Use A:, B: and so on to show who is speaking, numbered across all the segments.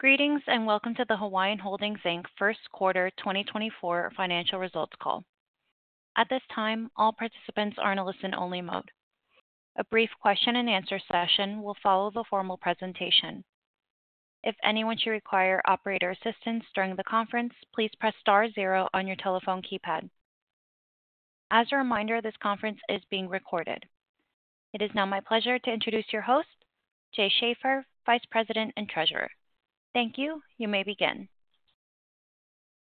A: Greetings and welcome to the Hawaiian Holdings, Inc. first quarter 2024 financial results call. At this time, all participants are in a listen-only mode. A brief question-and-answer session will follow the formal presentation. If anyone should require operator assistance during the conference, please press star zero on your telephone keypad. As a reminder, this conference is being recorded. It is now my pleasure to introduce your host, Jay Schaefer, Vice President and Treasurer. Thank you. You may begin.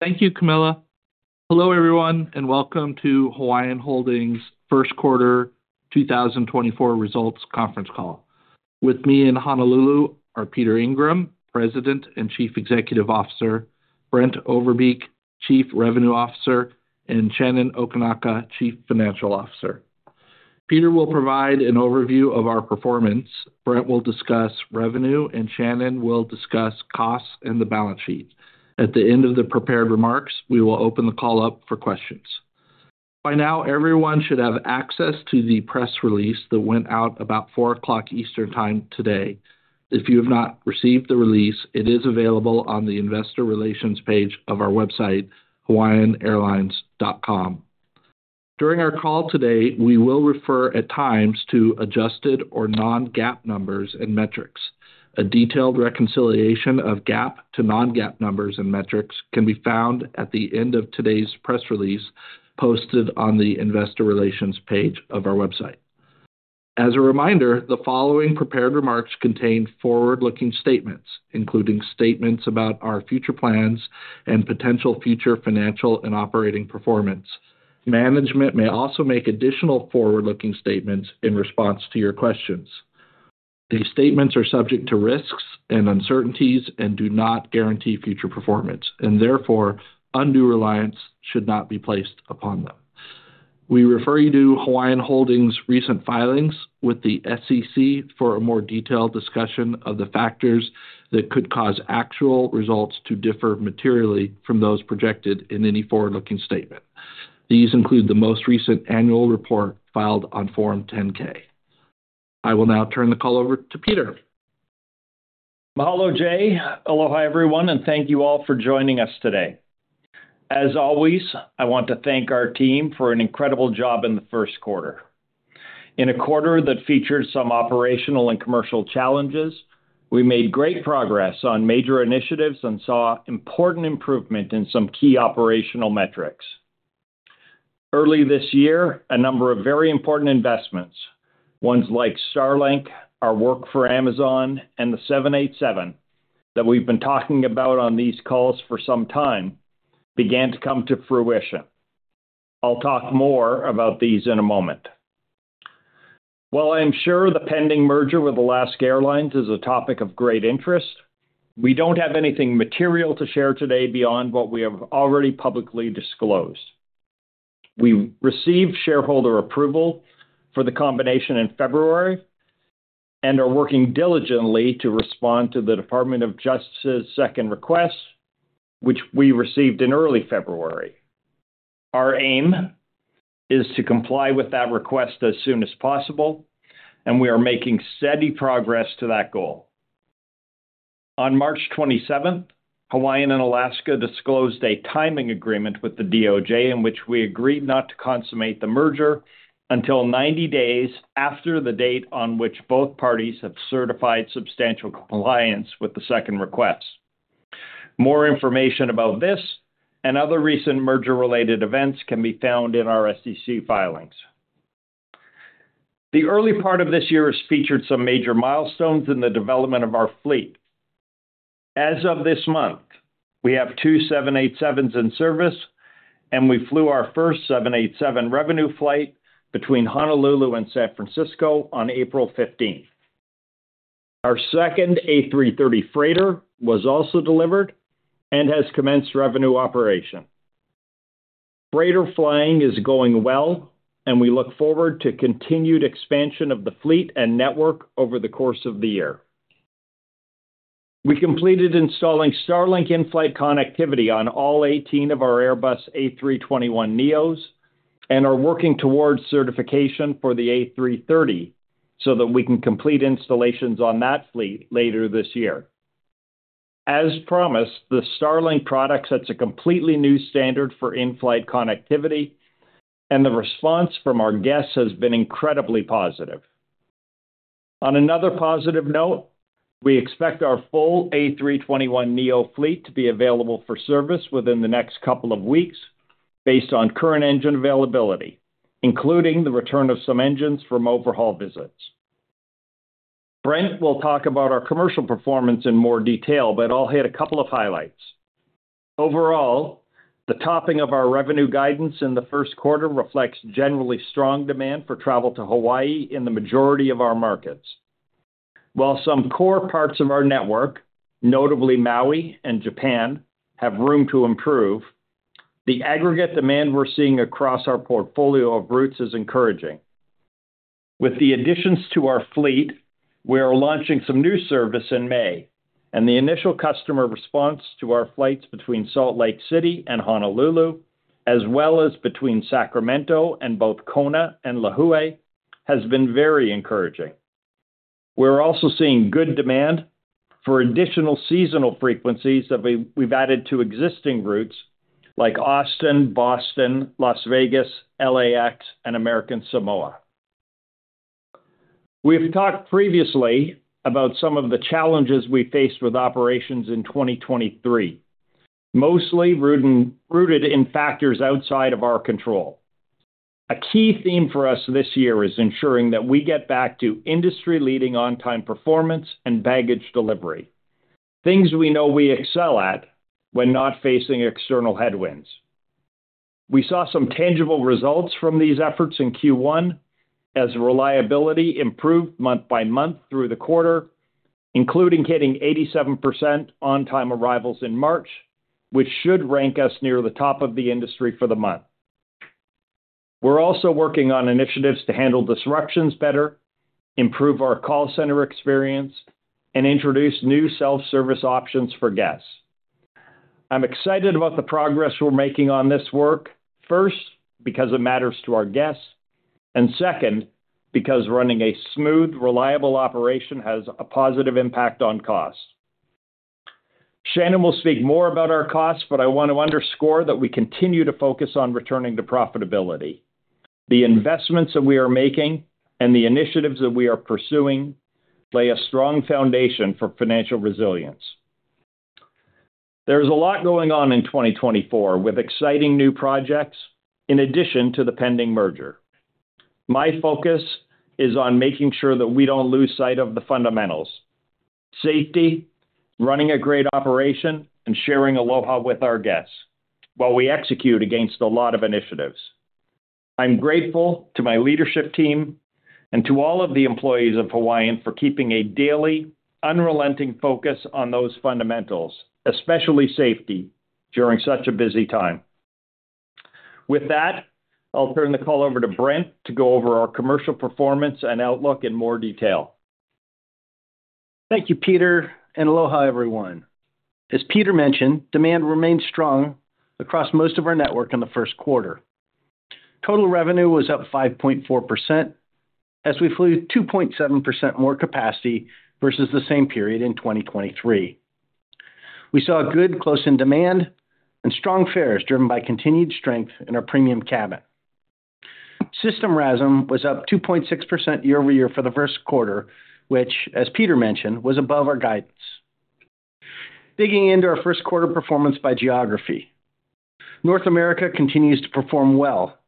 B: Thank you, Camilla. Hello everyone, and welcome to Hawaiian Holdings' first quarter 2024 results conference call. With me in Honolulu are Peter Ingram, President and Chief Executive Officer, Brent Overbeek, Chief Revenue Officer, and Shannon Okinaka, Chief Financial Officer. Peter will provide an overview of our performance, Brent will discuss revenue, and Shannon will discuss costs and the balance sheet. At the end of the prepared remarks, we will open the call up for questions. By now, everyone should have access to the press release that went out about 4:00 P.M. Eastern Time today. If you have not received the release, it is available on the investor relations page of our website, hawaiianairlines.com. During our call today, we will refer at times to adjusted or non-GAAP numbers and metrics. A detailed reconciliation of GAAP to non-GAAP numbers and metrics can be found at the end of today's press release posted on the investor relations page of our website. As a reminder, the following prepared remarks contain forward-looking statements, including statements about our future plans and potential future financial and operating performance. Management may also make additional forward-looking statements in response to your questions. These statements are subject to risks and uncertainties and do not guarantee future performance, and therefore undue reliance should not be placed upon them. We refer you to Hawaiian Holdings' recent filings with the SEC for a more detailed discussion of the factors that could cause actual results to differ materially from those projected in any forward-looking statement. These include the most recent annual report filed on Form 10-K. I will now turn the call over to Peter.
C: Mahalo Jay, aloha everyone, and thank you all for joining us today. As always, I want to thank our team for an incredible job in the first quarter. In a quarter that featured some operational and commercial challenges, we made great progress on major initiatives and saw important improvement in some key operational metrics. Early this year, a number of very important investments, ones like Starlink, our work for Amazon, and the 787 that we've been talking about on these calls for some time, began to come to fruition. I'll talk more about these in a moment. While I am sure the pending merger with Alaska Airlines is a topic of great interest, we don't have anything material to share today beyond what we have already publicly disclosed. We received shareholder approval for the combination in February and are working diligently to respond to the Department of Justice's second request, which we received in early February. Our aim is to comply with that request as soon as possible, and we are making steady progress to that goal. On March 27th, Hawaiian and Alaska disclosed a timing agreement with the DOJ in which we agreed not to consummate the merger until 90 days after the date on which both parties have certified substantial compliance with the second request. More information about this and other recent merger-related events can be found in our SEC filings. The early part of this year has featured some major milestones in the development of our fleet. As of this month, we have two 787s in service, and we flew our first 787 revenue flight between Honolulu and San Francisco on April 15. Our second A330 freighter was also delivered and has commenced revenue operation. Freighter flying is going well, and we look forward to continued expansion of the fleet and network over the course of the year. We completed installing Starlink in-flight connectivity on all 18 of our Airbus A321neos and are working towards certification for the A330 so that we can complete installations on that fleet later this year. As promised, the Starlink product sets a completely new standard for in-flight connectivity, and the response from our guests has been incredibly positive. On another positive note, we expect our full A321neo fleet to be available for service within the next couple of weeks based on current engine availability, including the return of some engines from overhaul visits. Brent will talk about our commercial performance in more detail, but I'll hit a couple of highlights. Overall, the topping of our revenue guidance in the first quarter reflects generally strong demand for travel to Hawaii in the majority of our markets. While some core parts of our network, notably Maui and Japan, have room to improve, the aggregate demand we're seeing across our portfolio of routes is encouraging. With the additions to our fleet, we are launching some new service in May, and the initial customer response to our flights between Salt Lake City and Honolulu, as well as between Sacramento and both Kona and Lihue, has been very encouraging. We're also seeing good demand for additional seasonal frequencies that we've added to existing routes like Austin, Boston, Las Vegas, LAX, and American Samoa. We've talked previously about some of the challenges we faced with operations in 2023, mostly rooted in factors outside of our control. A key theme for us this year is ensuring that we get back to industry-leading on-time performance and baggage delivery, things we know we excel at when not facing external headwinds. We saw some tangible results from these efforts in Q1 as reliability improved month by month through the quarter, including hitting 87% on-time arrivals in March, which should rank us near the top of the industry for the month. We're also working on initiatives to handle disruptions better, improve our call center experience, and introduce new self-service options for guests. I'm excited about the progress we're making on this work, first because it matters to our guests, and second because running a smooth, reliable operation has a positive impact on cost. Shannon will speak more about our costs, but I want to underscore that we continue to focus on returning to profitability. The investments that we are making and the initiatives that we are pursuing lay a strong foundation for financial resilience. There is a lot going on in 2024 with exciting new projects in addition to the pending merger. My focus is on making sure that we don't lose sight of the fundamentals: safety, running a great operation, and sharing aloha with our guests while we execute against a lot of initiatives. I'm grateful to my leadership team and to all of the employees of Hawaiian for keeping a daily, unrelenting focus on those fundamentals, especially safety, during such a busy time. With that, I'll turn the call over to Brent to go over our commercial performance and outlook in more detail.
D: Thank you, Peter, and aloha everyone. As Peter mentioned, demand remained strong across most of our network in the first quarter. Total revenue was up 5.4% as we flew 2.7% more capacity versus the same period in 2023. We saw good close-in demand and strong fares driven by continued strength in our premium cabin. System RASM was up 2.6% year over year for the first quarter, which, as Peter mentioned, was above our guidance. Digging into our first quarter performance by geography, North America continues to perform well,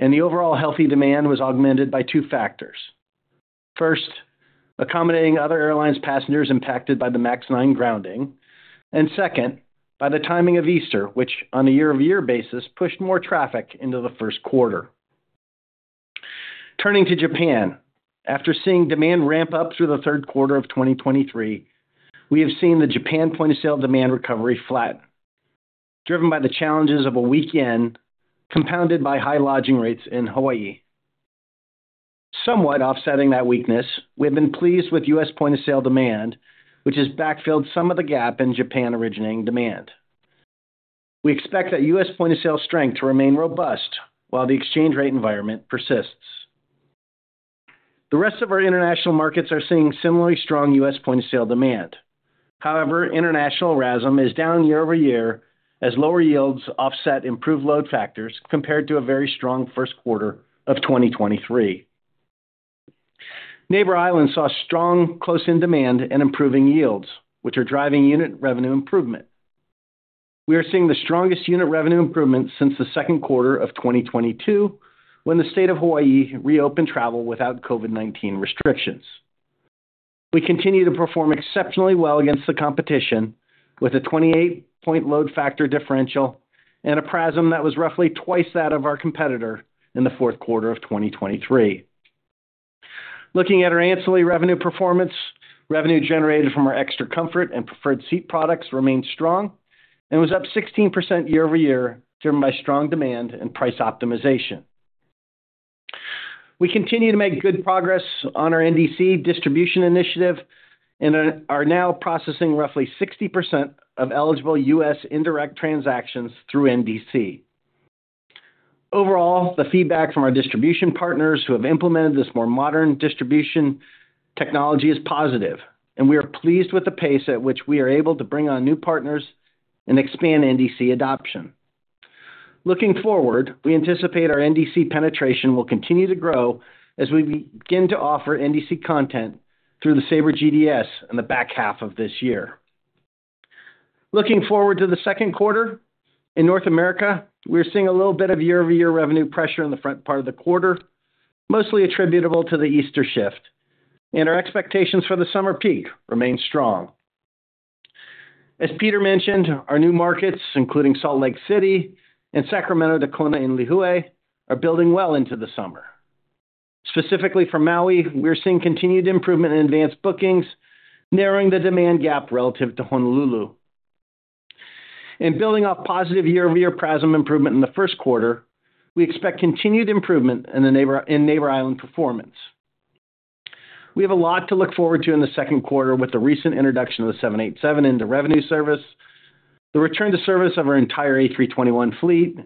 D: and the overall healthy demand was augmented by two factors: first, accommodating other airlines' passengers impacted by the MAX 9 grounding; and second, by the timing of Easter, which, on a year-over-year basis, pushed more traffic into the first quarter. Turning to Japan, after seeing demand ramp up through the third quarter of 2023, we have seen the Japan point-of-sale demand recovery flatten, driven by the challenges of a weekend compounded by high lodging rates in Hawaii. Somewhat offsetting that weakness, we have been pleased with U.S. point-of-sale demand, which has backfilled some of the gap in Japan-originating demand. We expect that U.S. point-of-sale strength to remain robust while the exchange-rate environment persists. The rest of our international markets are seeing similarly strong U.S. point-of-sale demand. However, international RASM is down year-over-year as lower yields offset improved load factors compared to a very strong first quarter of 2023. Neighbor Islands saw strong close-in demand and improving yields, which are driving unit revenue improvement. We are seeing the strongest unit revenue improvement since the second quarter of 2022 when the state of Hawaii reopened travel without COVID-19 restrictions. We continue to perform exceptionally well against the competition with a 28-point load factor differential and a RASM that was roughly twice that of our competitor in the fourth quarter of 2023. Looking at our ancillary revenue performance, revenue generated from our Extra Comfort and Preferred Seat products remained strong and was up 16% year-over-year driven by strong demand and price optimization. We continue to make good progress on our NDC distribution initiative and are now processing roughly 60% of eligible U.S. indirect transactions through NDC. Overall, the feedback from our distribution partners who have implemented this more modern distribution technology is positive, and we are pleased with the pace at which we are able to bring on new partners and expand NDC adoption. Looking forward, we anticipate our NDC penetration will continue to grow as we begin to offer NDC content through the Sabre GDS in the back half of this year. Looking forward to the second quarter, in North America, we are seeing a little bit of year-over-year revenue pressure in the front part of the quarter, mostly attributable to the Easter shift, and our expectations for the summer peak remain strong. As Peter mentioned, our new markets, including Salt Lake City and Sacramento to Kona, and Lihue, are building well into the summer. Specifically for Maui, we are seeing continued improvement in advanced bookings, narrowing the demand gap relative to Honolulu. In building off positive year-over-year PRASM improvement in the first quarter, we expect continued improvement in Neighbor Island performance. We have a lot to look forward to in the second quarter with the recent introduction of the 787 into revenue service, the return to service of our entire A321 fleet,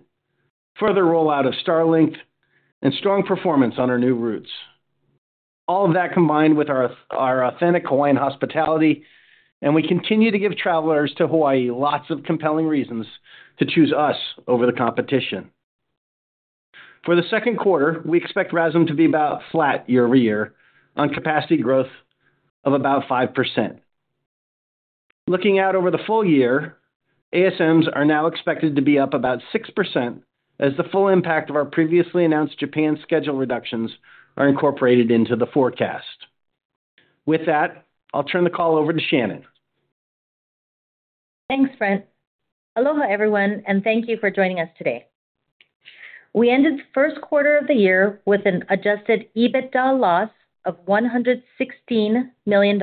D: further rollout of Starlink, and strong performance on our new routes. All of that combined with our authentic Hawaiian hospitality, and we continue to give travelers to Hawaii lots of compelling reasons to choose us over the competition. For the second quarter, we expect RASM to be about flat year-over-year on capacity growth of about 5%. Looking out over the full year, ASMs are now expected to be up about 6% as the full impact of our previously announced Japan schedule reductions are incorporated into the forecast. With that, I'll turn the call over to Shannon.
E: Thanks, Brent. Aloha everyone, and thank you for joining us today. We ended the first quarter of the year with an adjusted EBITDA loss of $116 million,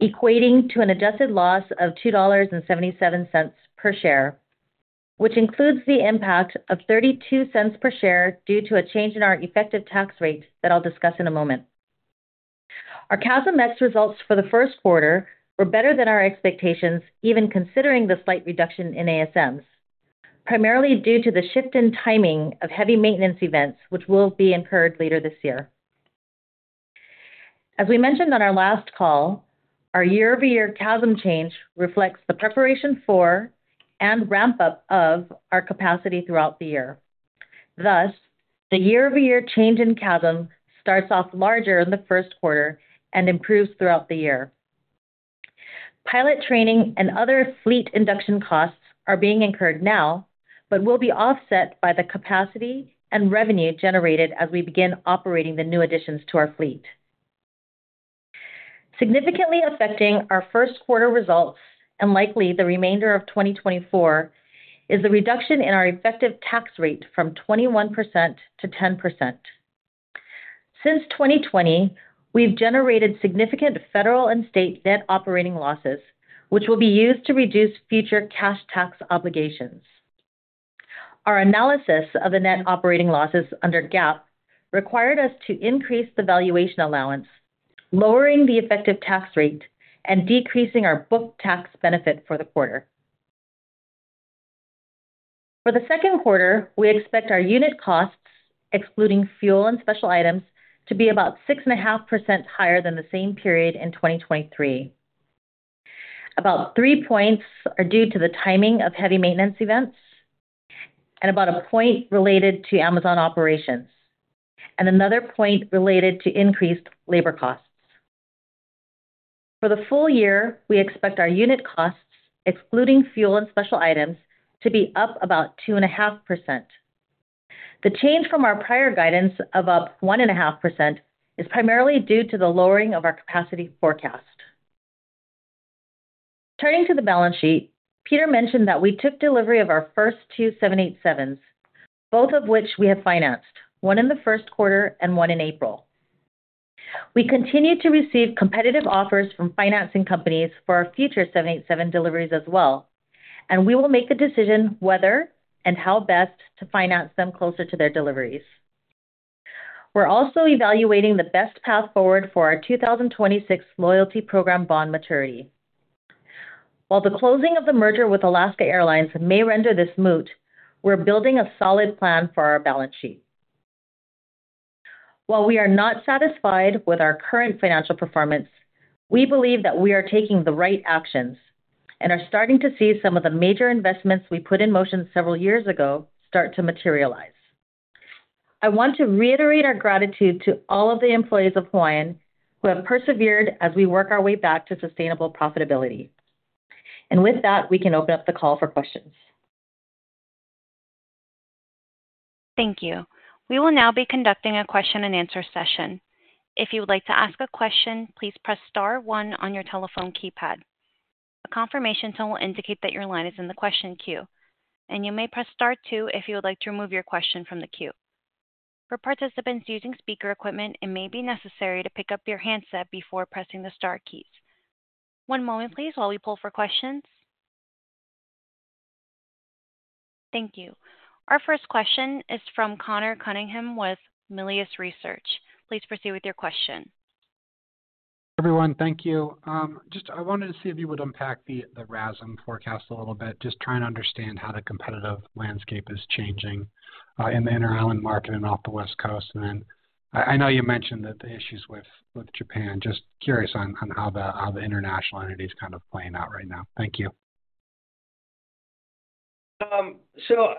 E: equating to an adjusted loss of $2.77 per share, which includes the impact of $0.32 per share due to a change in our effective tax rate that I'll discuss in a moment. Our CASM-ex results for the first quarter were better than our expectations, even considering the slight reduction in ASMs, primarily due to the shift in timing of heavy maintenance events, which will be incurred later this year. As we mentioned on our last call, our year-over-year CASM change reflects the preparation for and ramp-up of our capacity throughout the year. Thus, the year-over-year change in CASM starts off larger in the first quarter and improves throughout the year. Pilot training and other fleet induction costs are being incurred now but will be offset by the capacity and revenue generated as we begin operating the new additions to our fleet. Significantly affecting our first quarter results and likely the remainder of 2024 is the reduction in our effective tax rate from 21%-10%. Since 2020, we've generated significant federal and state net operating losses, which will be used to reduce future cash tax obligations. Our analysis of the net operating losses under GAAP required us to increase the valuation allowance, lowering the effective tax rate, and decreasing our book tax benefit for the quarter. For the second quarter, we expect our unit costs, excluding fuel and special items, to be about 6.5% higher than the same period in 2023. About three points are due to the timing of heavy maintenance events, and about a point related to Amazon operations, and another point related to increased labor costs. For the full year, we expect our unit costs, excluding fuel and special items, to be up about 2.5%. The change from our prior guidance of up 1.5% is primarily due to the lowering of our capacity forecast. Turning to the balance sheet, Peter mentioned that we took delivery of our first two 787s, both of which we have financed, one in the first quarter and one in April. We continue to receive competitive offers from financing companies for our future 787 deliveries as well, and we will make the decision whether and how best to finance them closer to their deliveries. We're also evaluating the best path forward for our 2026 loyalty program bond maturity. While the closing of the merger with Alaska Airlines may render this moot, we're building a solid plan for our balance sheet. While we are not satisfied with our current financial performance, we believe that we are taking the right actions and are starting to see some of the major investments we put in motion several years ago start to materialize. I want to reiterate our gratitude to all of the employees of Hawaiian who have persevered as we work our way back to sustainable profitability. And with that, we can open up the call for questions.
A: Thank you. We will now be conducting a question-and-answer session. If you would like to ask a question, please press star one on your telephone keypad. A confirmation tone will indicate that your line is in the question queue, and you may press star two if you would like to remove your question from the queue. For participants using speaker equipment, it may be necessary to pick up your handset before pressing the star keys. One moment, please, while we pull for questions. Thank you. Our first question is from Conor Cunningham with Melius Research. Please proceed with your question.
F: Everyone, thank you. Just I wanted to see if you would unpack the RASM forecast a little bit, just trying to understand how the competitive landscape is changing in the inter-island market and off the West Coast. And then I know you mentioned the issues with Japan. Just curious on how the international entity is kind of playing out right now. Thank you.
C: So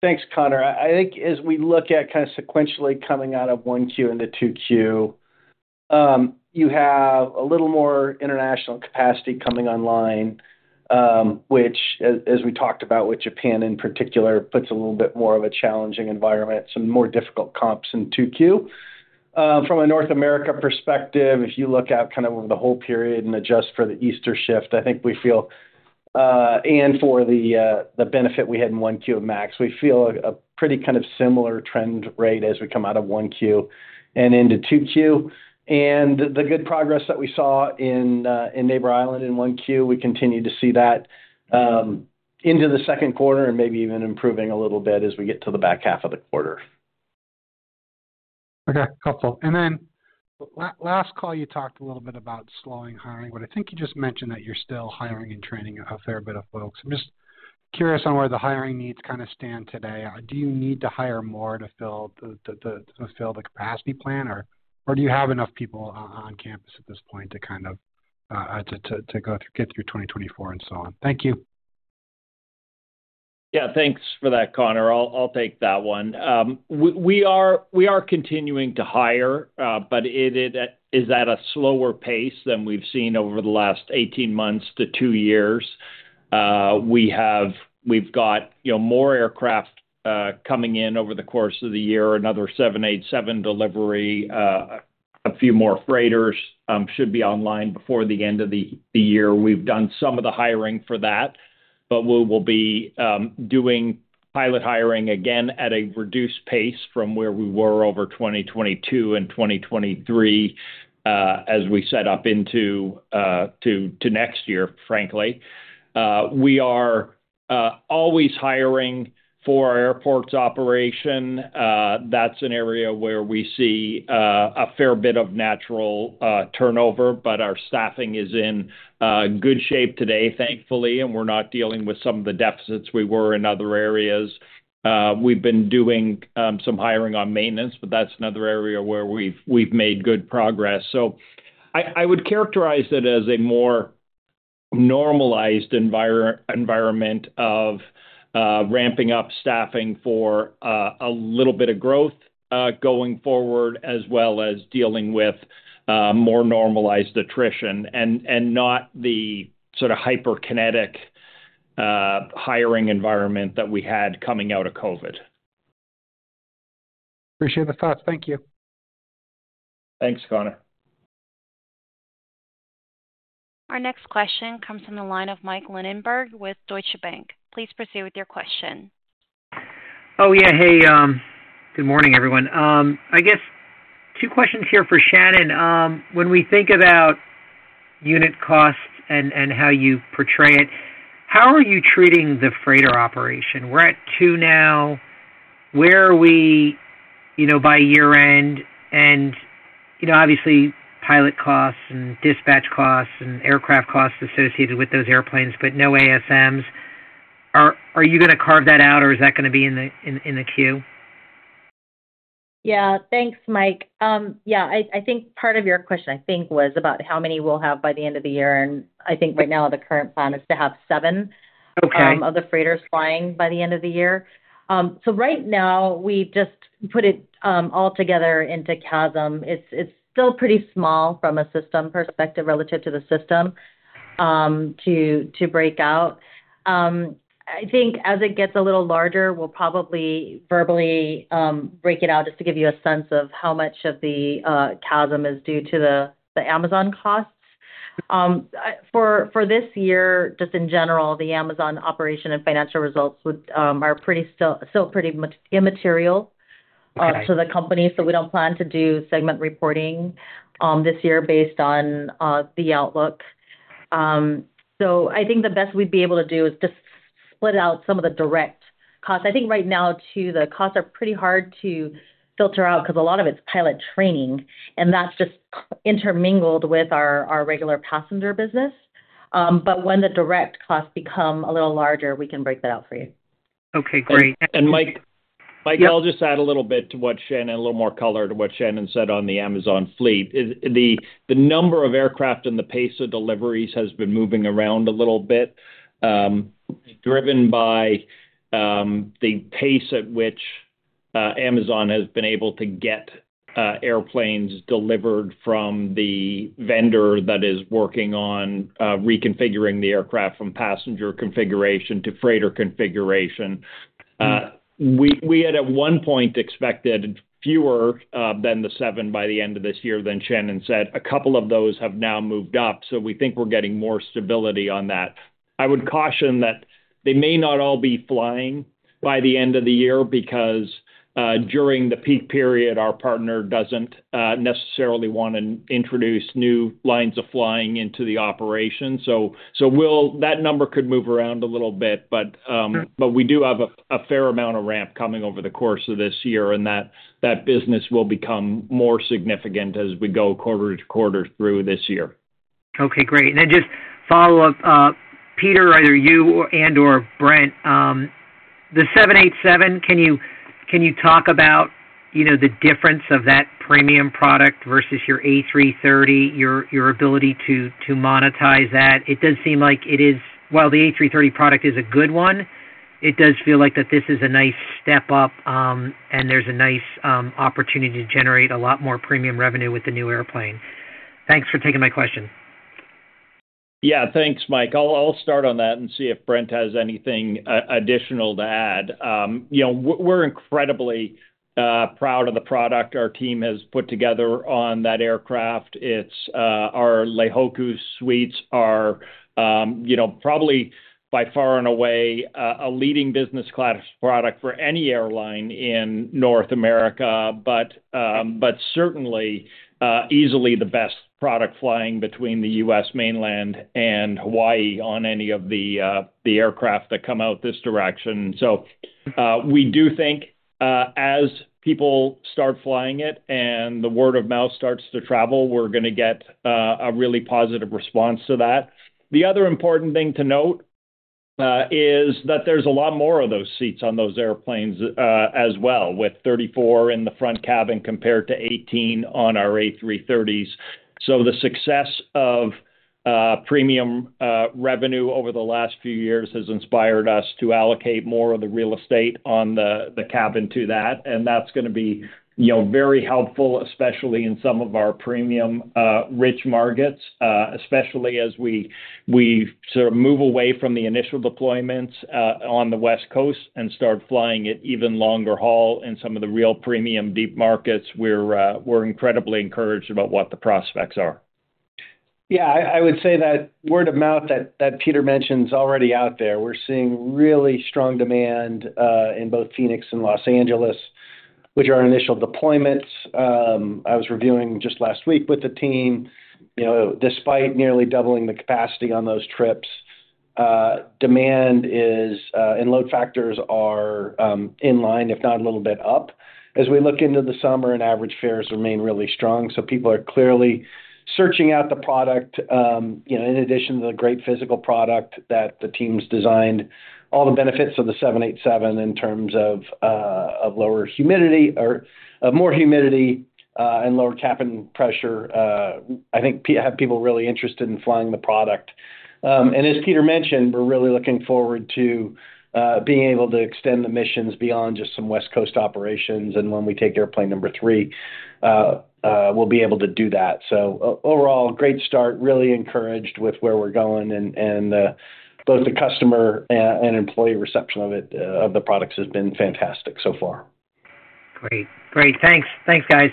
C: thanks, Conor. I think as we look at kind of sequentially coming out of Q1 into Q2, you have a little more international capacity coming online, which, as we talked about, with Japan in particular, puts a little bit more of a challenging environment, some more difficult comps in Q2. From a North America perspective, if you look out kind of over the whole period and adjust for the Easter shift, I think we feel, and for the benefit we had in Q1 of MAX, we feel a pretty kind of similar trend rate as we come out of Q1 and into Q2. And the good progress that we saw in Neighbor Island in Q1, we continue to see that into the second quarter and maybe even improving a little bit as we get to the back half of the quarter.
F: Okay, helpful. Then last call, you talked a little bit about slowing hiring, but I think you just mentioned that you're still hiring and training a fair bit of folks. I'm just curious on where the hiring needs kind of stand today. Do you need to hire more to fill the capacity plan, or do you have enough people on campus at this point to kind of get through 2024 and so on? Thank you.
D: Yeah, thanks for that, Conor. I'll take that one. We are continuing to hire, but is that a slower pace than we've seen over the last 18 months to two years? We've got more aircraft coming in over the course of the year, another 787 delivery, a few more freighters should be online before the end of the year. We've done some of the hiring for that, but we will be doing pilot hiring again at a reduced pace from where we were over 2022 and 2023 as we set up into next year, frankly. We are always hiring for our airports operation. That's an area where we see a fair bit of natural turnover, but our staffing is in good shape today, thankfully, and we're not dealing with some of the deficits we were in other areas. We've been doing some hiring on maintenance, but that's another area where we've made good progress. So I would characterize it as a more normalized environment of ramping up staffing for a little bit of growth going forward, as well as dealing with more normalized attrition and not the sort of hyperkinetic hiring environment that we had coming out of COVID.
F: Appreciate the thoughts. Thank you.
D: Thanks, Conor.
A: Our next question comes from the line of Mike Linenberg with Deutsche Bank. Please proceed with your question.
G: Oh, yeah. Hey, good morning, everyone. I guess two questions here for Shannon. When we think about unit costs and how you portray it, how are you treating the freighter operation? We're at two now. Where are we by year-end? And obviously, pilot costs and dispatch costs and aircraft costs associated with those airplanes, but no ASMs. Are you going to carve that out, or is that going to be in the queue?
E: Yeah, thanks, Mike. Yeah, I think part of your question, I think, was about how many we'll have by the end of the year. I think right now, the current plan is to have seven of the freighters flying by the end of the year. Right now, we've just put it all together into CASM. It's still pretty small from a system perspective relative to the system to break out. I think as it gets a little larger, we'll probably verbally break it out just to give you a sense of how much of the CASM is due to the Amazon costs. For this year, just in general, the Amazon operation and financial results are still pretty immaterial to the company, so we don't plan to do segment reporting this year based on the outlook. So I think the best we'd be able to do is just split out some of the direct costs. I think right now, too, the costs are pretty hard to filter out because a lot of it's pilot training, and that's just intermingled with our regular passenger business. But when the direct costs become a little larger, we can break that out for you.
G: Okay, great.
C: Mike, I'll just add a little bit to what Shannon said, a little more color to what Shannon said, on the Amazon fleet. The number of aircraft and the pace of deliveries has been moving around a little bit, driven by the pace at which Amazon has been able to get airplanes delivered from the vendor that is working on reconfiguring the aircraft from passenger configuration to freighter configuration. We had at one point expected fewer than the seven by the end of this year than Shannon said. A couple of those have now moved up, so we think we're getting more stability on that. I would caution that they may not all be flying by the end of the year because during the peak period, our partner doesn't necessarily want to introduce new lines of flying into the operation. So that number could move around a little bit, but we do have a fair amount of ramp coming over the course of this year, and that business will become more significant as we go quarter to quarter through this year.
G: Okay, great. And then just follow up, Peter, either you and/or Brent, the 787, can you talk about the difference of that premium product versus your A330, your ability to monetize that? It does seem like it is while the A330 product is a good one, it does feel like that this is a nice step up, and there's a nice opportunity to generate a lot more premium revenue with the new airplane. Thanks for taking my question.
C: Yeah, thanks, Mike. I'll start on that and see if Brent has anything additional to add. We're incredibly proud of the product our team has put together on that aircraft. Our Leihōkū Suites are probably by far and away a leading business-class product for any airline in North America, but certainly easily the best product flying between the U.S. mainland and Hawaii on any of the aircraft that come out this direction. So we do think as people start flying it and the word of mouth starts to travel, we're going to get a really positive response to that. The other important thing to note is that there's a lot more of those seats on those airplanes as well, with 34 in the front cabin compared to 18 on our A330s. So the success of premium revenue over the last few years has inspired us to allocate more of the real estate on the cabin to that. And that's going to be very helpful, especially in some of our premium-rich markets, especially as we sort of move away from the initial deployments on the West Coast and start flying it even longer haul in some of the real premium deep markets. We're incredibly encouraged about what the prospects are.
D: Yeah, I would say that word of mouth that Peter mentions is already out there. We're seeing really strong demand in both Phoenix and Los Angeles, which are initial deployments. I was reviewing just last week with the team. Despite nearly doubling the capacity on those trips, demand is and load factors are in line, if not a little bit up. As we look into the summer, an average fare has remained really strong. So people are clearly searching out the product. In addition to the great physical product that the team's designed, all the benefits of the 787 in terms of lower humidity or more humidity and lower cabin pressure, I think, have people really interested in flying the product. And as Peter mentioned, we're really looking forward to being able to extend the missions beyond just some West Coast operations. When we take airplane number three, we'll be able to do that. Overall, great start, really encouraged with where we're going, and both the customer and employee reception of the products has been fantastic so far.
G: Great. Great. Thanks. Thanks, guys.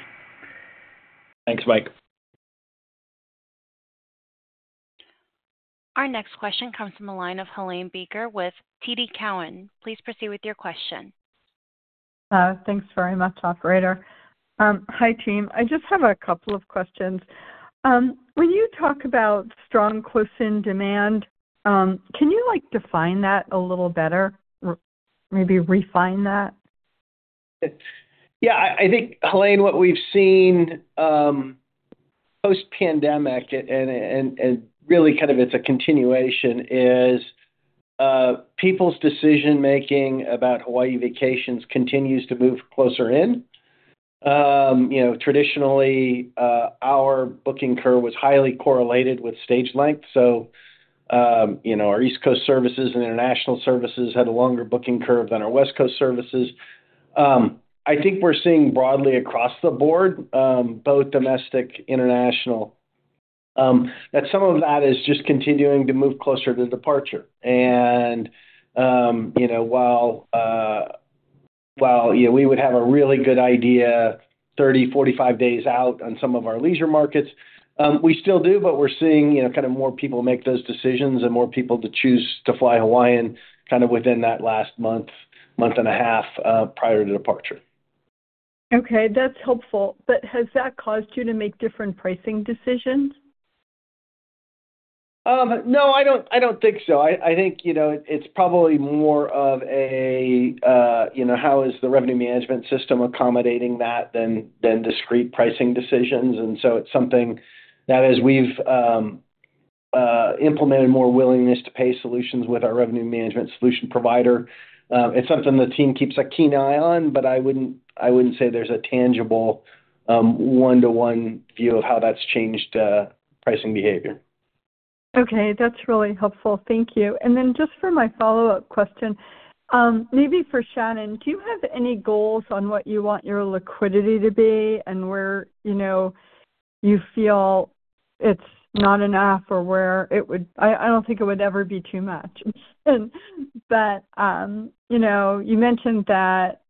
D: Thanks, Mike.
A: Our next question comes from the line of Helane Becker with TD Cowen. Please proceed with your question.
H: Thanks very much, operator. Hi, team. I just have a couple of questions. When you talk about strong close-in demand, can you define that a little better, maybe refine that?
C: Yeah, I think, Helane, what we've seen post-pandemic, and really kind of it's a continuation, is people's decision-making about Hawaii vacations continues to move closer in. Traditionally, our booking curve was highly correlated with stage length. So our East Coast services and international services had a longer booking curve than our West Coast services. I think we're seeing broadly across the board, both domestic and international, that some of that is just continuing to move closer to departure. And while we would have a really good idea 30, 45 days out on some of our leisure markets, we still do, but we're seeing kind of more people make those decisions and more people to choose to fly Hawaiian kind of within that last month, month and a half prior to departure.
H: Okay, that's helpful. But has that caused you to make different pricing decisions?
C: No, I don't think so. I think it's probably more of a how is the revenue management system accommodating that than discrete pricing decisions? And so it's something that as we've implemented more willingness to pay solutions with our revenue management solution provider, it's something the team keeps a keen eye on, but I wouldn't say there's a tangible one-to-one view of how that's changed pricing behavior.
H: Okay, that's really helpful. Thank you. And then just for my follow-up question, maybe for Shannon, do you have any goals on what you want your liquidity to be and where you feel it's not enough or where it would, I don't think it would ever be too much. But you mentioned that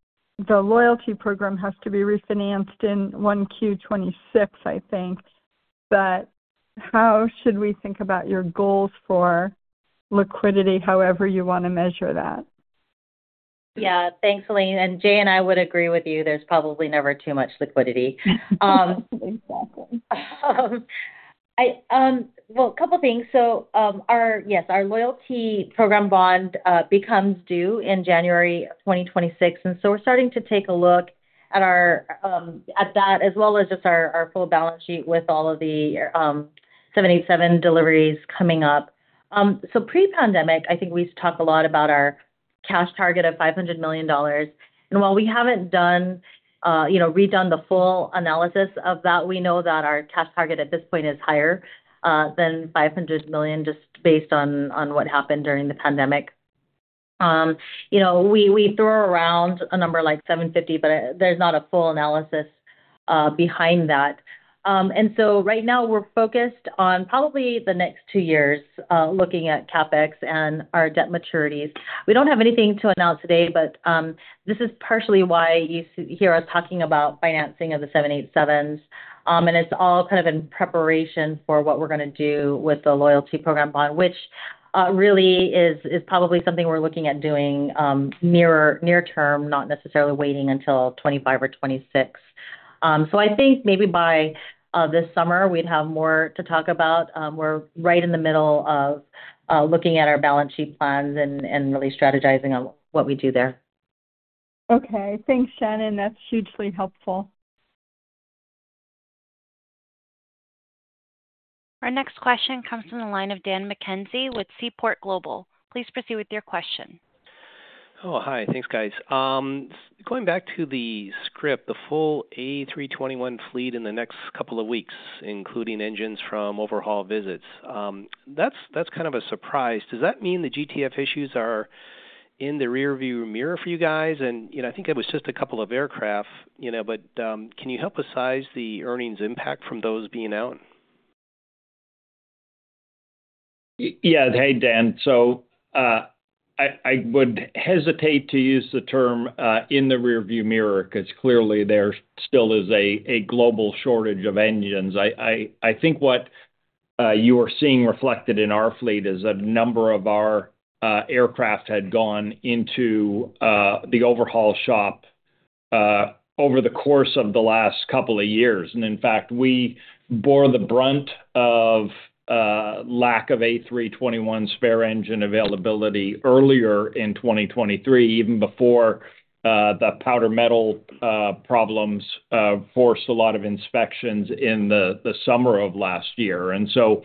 H: the loyalty program has to be refinanced in 1Q 2026, I think. But how should we think about your goals for liquidity, however you want to measure that?
E: Yeah, thanks, Helene. Jay and I would agree with you. There's probably never too much liquidity.
H: Absolutely. Exactly.
E: Well, a couple of things. So yes, our loyalty program bond becomes due in January of 2026. And so we're starting to take a look at that as well as just our full balance sheet with all of the 787 deliveries coming up. So pre-pandemic, I think we talked a lot about our cash target of $500 million. And while we haven't redone the full analysis of that, we know that our cash target at this point is higher than $500 million just based on what happened during the pandemic. We throw around a number like $750, but there's not a full analysis behind that. And so right now, we're focused on probably the next two years looking at CapEx and our debt maturities. We don't have anything to announce today, but this is partially why you hear us talking about financing of the 787s. It's all kind of in preparation for what we're going to do with the loyalty program bond, which really is probably something we're looking at doing near term, not necessarily waiting until 2025 or 2026. I think maybe by this summer, we'd have more to talk about. We're right in the middle of looking at our balance sheet plans and really strategizing on what we do there.
H: Okay, thanks, Shannon. That's hugely helpful.
A: Our next question comes from the line of Dan McKenzie with Seaport Global. Please proceed with your question.
I: Oh, hi. Thanks, guys. Going back to the script, the full A321 fleet in the next couple of weeks, including engines from overhaul visits, that's kind of a surprise. Does that mean the GTF issues are in the rearview mirror for you guys? And I think it was just a couple of aircraft, but can you help us size the earnings impact from those being out?
C: Yeah, hey, Dan. So I would hesitate to use the term in the rearview mirror because clearly, there still is a global shortage of engines. I think what you are seeing reflected in our fleet is that a number of our aircraft had gone into the overhaul shop over the course of the last couple of years. And in fact, we bore the brunt of lack of A321 spare engine availability earlier in 2023, even before the powder-metal problems forced a lot of inspections in the summer of last year. And so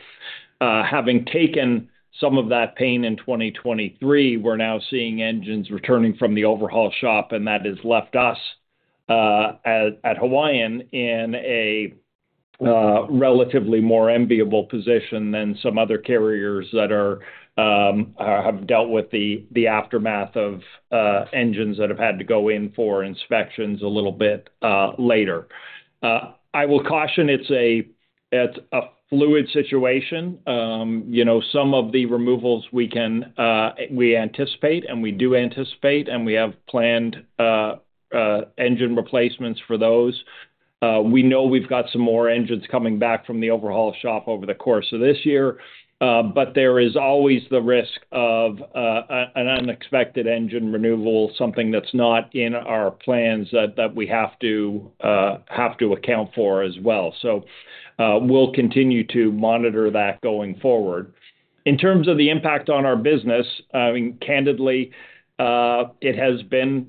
C: having taken some of that pain in 2023, we're now seeing engines returning from the overhaul shop, and that has left us at Hawaiian in a relatively more enviable position than some other carriers that have dealt with the aftermath of engines that have had to go in for inspections a little bit later. I will caution it's a fluid situation. Some of the removals we anticipate, and we do anticipate, and we have planned engine replacements for those. We know we've got some more engines coming back from the overhaul shop over the course of this year. But there is always the risk of an unexpected engine renewal, something that's not in our plans that we have to account for as well. So we'll continue to monitor that going forward. In terms of the impact on our business, I mean, candidly, it has been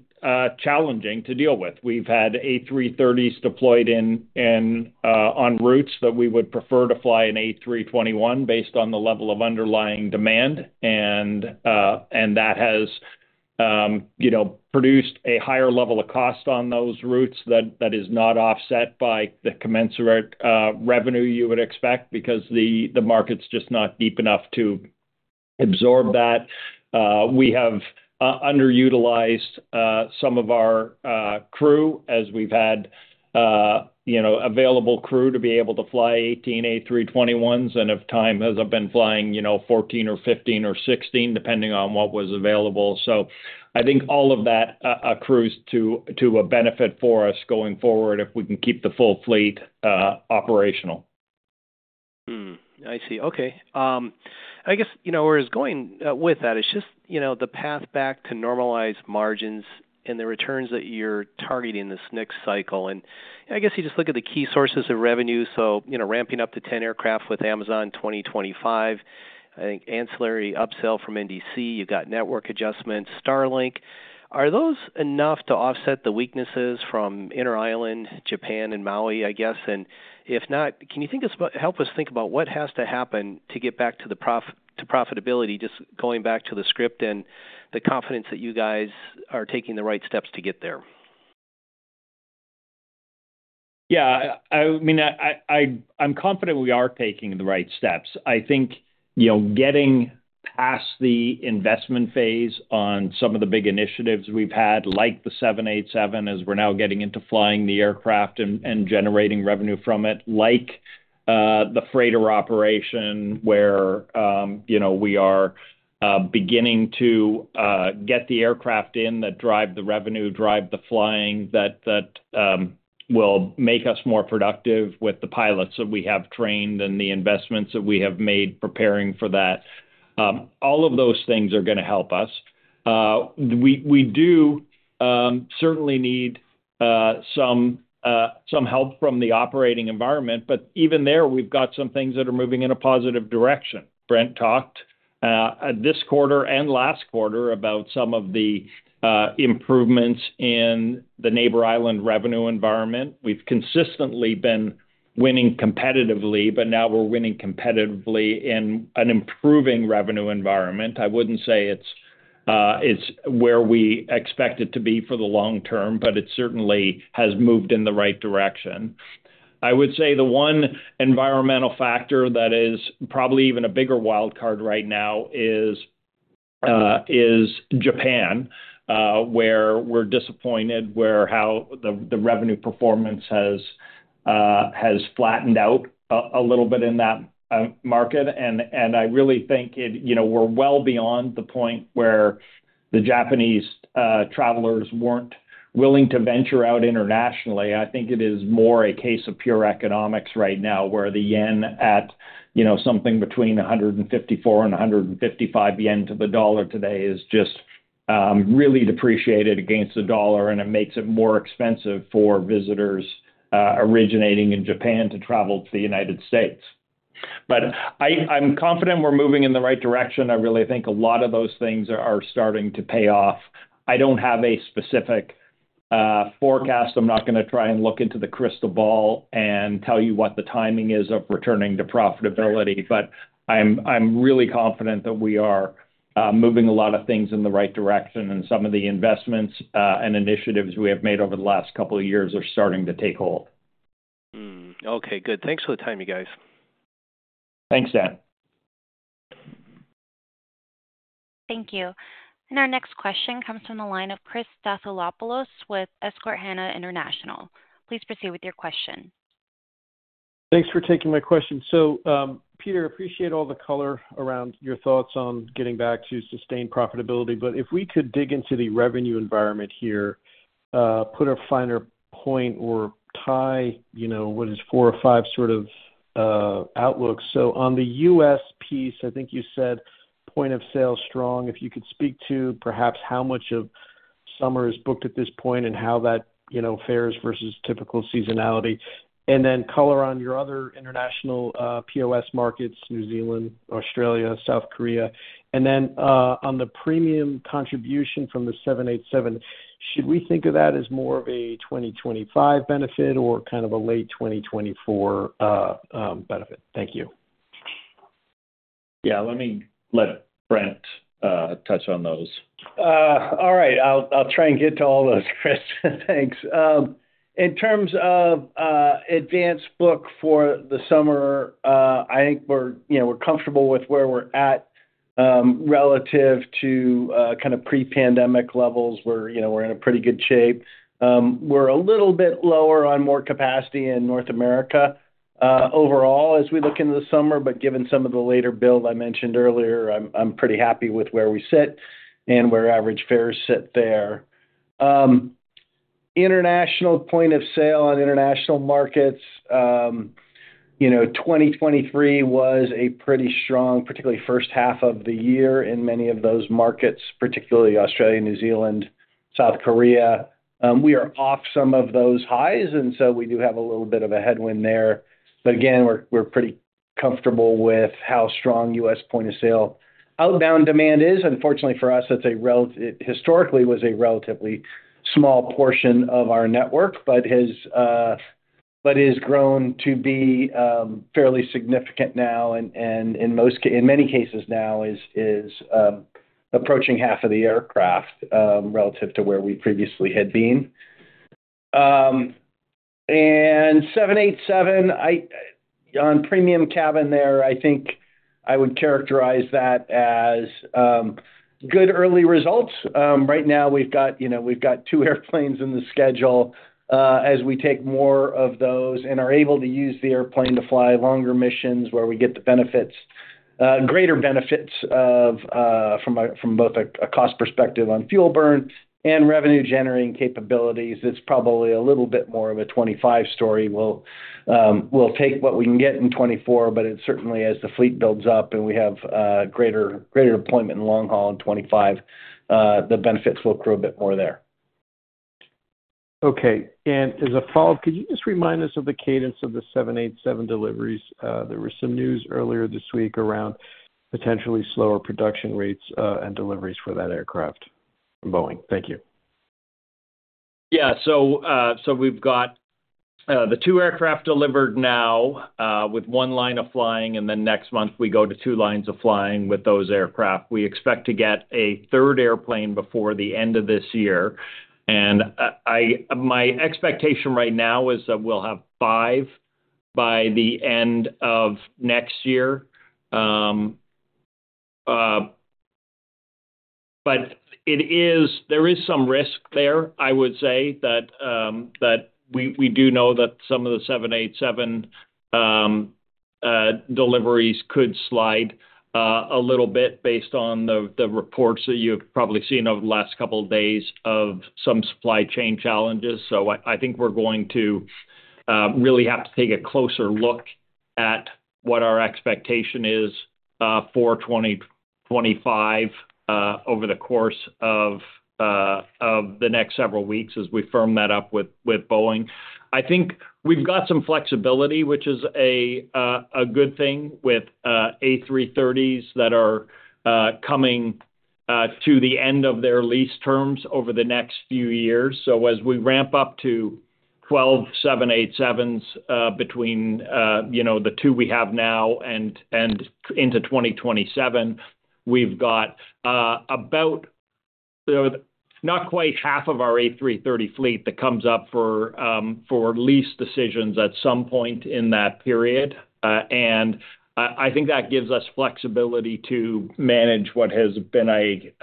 C: challenging to deal with. We've had A330s deployed on routes that we would prefer to fly an A321 based on the level of underlying demand. And that has produced a higher level of cost on those routes that is not offset by the commensurate revenue you would expect because the market's just not deep enough to absorb that. We have underutilized some of our crew as we've had available crew to be able to fly 18 A321s, and over time, as I've been flying 14 or 15 or 16, depending on what was available. So I think all of that accrues to a benefit for us going forward if we can keep the full fleet operational.
I: I see. Okay. I guess where it's going with that is just the path back to normalized margins and the returns that you're targeting this next cycle. And I guess you just look at the key sources of revenue. So ramping up to 10 aircraft with Amazon 2025, I think ancillary upsell from NDC, you've got network adjustments, Starlink. Are those enough to offset the weaknesses from Inter-Island, Japan, and Maui, I guess? And if not, can you help us think about what has to happen to get back to profitability, just going back to the script and the confidence that you guys are taking the right steps to get there?
C: Yeah, I mean, I'm confident we are taking the right steps. I think getting past the investment phase on some of the big initiatives we've had, like the 787, as we're now getting into flying the aircraft and generating revenue from it, like the freighter operation where we are beginning to get the aircraft in that drive the revenue, drive the flying, that will make us more productive with the pilots that we have trained and the investments that we have made preparing for that. All of those things are going to help us. We do certainly need some help from the operating environment. But even there, we've got some things that are moving in a positive direction. Brent talked this quarter and last quarter about some of the improvements in the Neighbor Island revenue environment. We've consistently been winning competitively, but now we're winning competitively in an improving revenue environment. I wouldn't say it's where we expect it to be for the long term, but it certainly has moved in the right direction. I would say the one environmental factor that is probably even a bigger wildcard right now is Japan, where we're disappointed where how the revenue performance has flattened out a little bit in that market. And I really think we're well beyond the point where the Japanese travelers weren't willing to venture out internationally. I think it is more a case of pure economics right now where the yen at something between 154-155 yen to the U.S. dollar today is just really depreciated against the dollar, and it makes it more expensive for visitors originating in Japan to travel to the United States. But I'm confident we're moving in the right direction. I really think a lot of those things are starting to pay off. I don't have a specific forecast. I'm not going to try and look into the crystal ball and tell you what the timing is of returning to profitability. But I'm really confident that we are moving a lot of things in the right direction, and some of the investments and initiatives we have made over the last couple of years are starting to take hold.
I: Okay, good. Thanks for the time, you guys.
C: Thanks, Dan.
A: Thank you. Our next question comes from the line of Chris Stathoulopoulos with Susquehanna International. Please proceed with your question.
J: Thanks for taking my question. So Peter, appreciate all the color around your thoughts on getting back to sustained profitability. But if we could dig into the revenue environment here, put a finer point or tie what is four or five sort of outlooks. So on the U.S. piece, I think you said point of sale strong. If you could speak to perhaps how much of summer is booked at this point and how that fares versus typical seasonality. And then color on your other international POS markets, New Zealand, Australia, South Korea. And then on the premium contribution from the 787, should we think of that as more of a 2025 benefit or kind of a late 2024 benefit? Thank you.
C: Yeah, let me let Brent touch on those.
D: All right. I'll try and get to all those, Chris. In terms of advanced book for the summer, I think we're comfortable with where we're at relative to kind of pre-pandemic levels. We're in a pretty good shape. We're a little bit lower on more capacity in North America overall as we look into the summer. But given some of the later build I mentioned earlier, I'm pretty happy with where we sit and where average fares sit there. International point of sale on international markets, 2023 was a pretty strong, particularly first half of the year in many of those markets, particularly Australia, New Zealand, South Korea. We are off some of those highs, and so we do have a little bit of a headwind there. But again, we're pretty comfortable with how strong U.S. point of sale outbound demand is. Unfortunately for us, historically, it was a relatively small portion of our network, but has grown to be fairly significant now. In many cases now, it is approaching half of the aircraft relative to where we previously had been. 787 on premium cabin there, I think I would characterize that as good early results. Right now, we've got two airplanes in the schedule as we take more of those and are able to use the airplane to fly longer missions where we get the greater benefits from both a cost perspective on fuel burn and revenue-generating capabilities. It's probably a little bit more of a 2025 story. We'll take what we can get in 2024, but it certainly, as the fleet builds up and we have greater deployment in long haul in 2025, the benefits will grow a bit more there.
J: Okay. And as a follow-up, could you just remind us of the cadence of the 787 deliveries? There was some news earlier this week around potentially slower production rates and deliveries for that aircraft from Boeing. Thank you.
D: Yeah. So we've got the two aircraft delivered now with 1 line of flying, and then next month, we go to two lines of flying with those aircraft. We expect to get a third airplane before the end of this year. And my expectation right now is that we'll have five by the end of next year. But there is some risk there, I would say, that we do know that some of the 787 deliveries could slide a little bit based on the reports that you've probably seen over the last couple of days of some supply chain challenges. So I think we're going to really have to take a closer look at what our expectation is for 2025 over the course of the next several weeks as we firm that up with Boeing. I think we've got some flexibility, which is a good thing with A330s that are coming to the end of their lease terms over the next few years. So as we ramp up to 12 787s between the two we have now and into 2027, we've got about not quite half of our A330 fleet that comes up for lease decisions at some point in that period. And I think that gives us flexibility to manage what has been a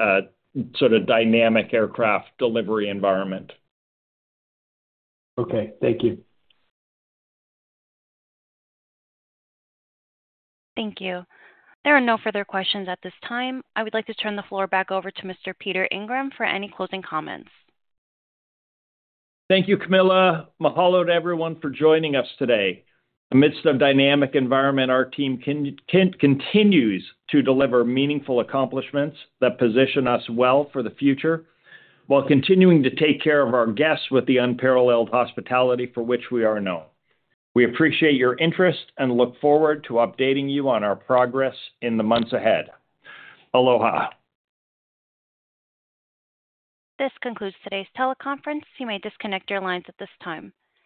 D: sort of dynamic aircraft delivery environment.
J: Okay. Thank you.
A: Thank you. There are no further questions at this time. I would like to turn the floor back over to Mr. Peter Ingram for any closing comments.
C: Thank you, Camilla. Hello to everyone for joining us today. Amidst a dynamic environment, our team continues to deliver meaningful accomplishments that position us well for the future while continuing to take care of our guests with the unparalleled hospitality for which we are known. We appreciate your interest and look forward to updating you on our progress in the months ahead. Aloha.
A: This concludes today's teleconference. You may disconnect your lines at this time.